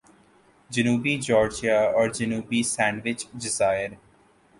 جنوبی جارجیا اور جنوبی سینڈوچ جزائر